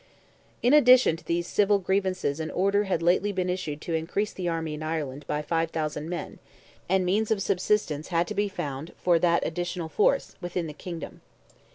In addition to these civil grievances an order had lately been issued to increase the army in Ireland by 5,000 men, and means of subsistence had to be found for that additional force, within the kingdom.